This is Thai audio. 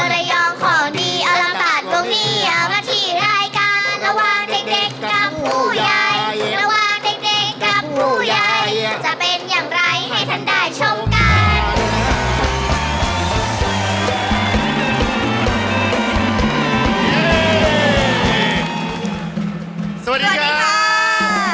ไรยองของดีอลัมตาลวงเนี่ยมาที่รายการ